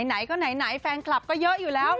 ไหนก็ไหนแฟนคลับก็เยอะอยู่แล้ว